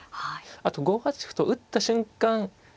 あと５八歩と打った瞬間